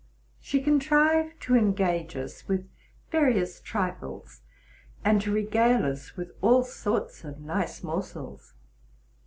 She contrived to engage us with various trifles, and to regale us with all sorts of nice morsels.